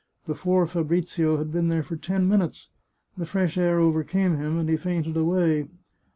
Before Fabrizio had been there for ten minutes, the fresh air over came him, and he fainted away.